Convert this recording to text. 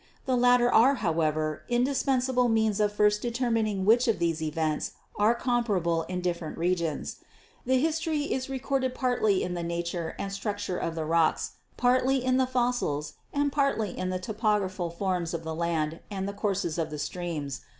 The latter are, however, indispensable means of first determining which of these events are comparable in different regions. The history is recorded partly in the nature and structure of the rocks, partly in the fossils and partly in the topo graphical forms of the land and the courses of the streams.